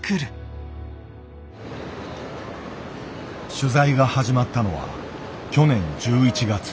取材が始まったのは去年１１月。